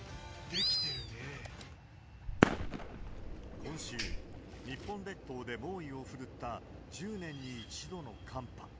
今週、日本列島で猛威を振るった１０年に１度の寒波。